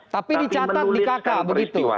tapi dicatat di kk begitu